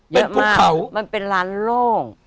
เยอะมากเขามันเป็นร้านโล่ง